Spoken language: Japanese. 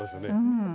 うん。